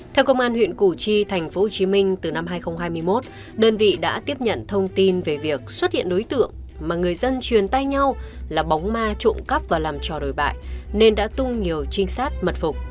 theo công an huyện củ chi tp hcm từ năm hai nghìn hai mươi một đơn vị đã tiếp nhận thông tin về việc xuất hiện đối tượng mà người dân truyền tay nhau là bóng ma trộm cắp và làm trò đồi bại nên đã tung nhiều trinh sát mật phục